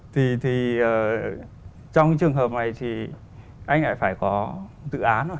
thì trong trường hợp này thì anh lại phải có tự án